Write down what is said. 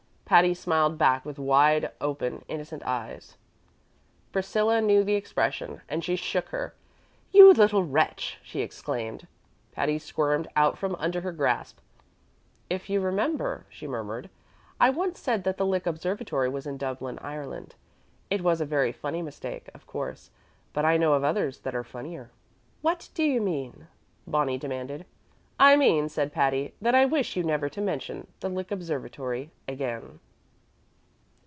Patty smiled back with wide open, innocent eyes. Priscilla knew the expression, and she shook her. "You little wretch!" she exclaimed. Patty squirmed out from under her grasp. "If you remember," she murmured, "I once said that the Lick Observatory was in Dublin, Ireland. It was a very funny mistake, of course, but I know of others that are funnier." "What do you mean?" Bonnie demanded. "I mean," said Patty, "that I wish you never to mention the Lick Observatory again."